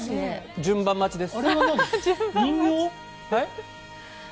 順番待ちです。